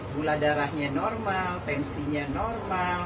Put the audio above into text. gula darahnya normal tensinya normal